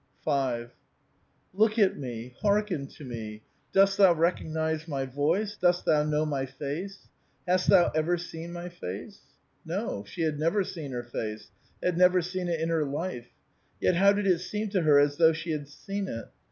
5. " Look at me, hearken to me ! Dost thou recognize my voice ? Dost thou know my face ? Hast thou ever seen my face?" No ; she had never seen her face, had ne'er seen it in her life. Yet how did it seem to her as though she had seen it?